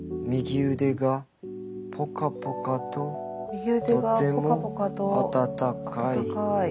「右腕がポカポカと温かい」。